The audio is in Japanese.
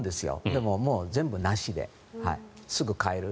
でも、もう全部なしですぐ帰る。